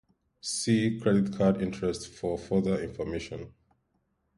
See Credit card interest for further information.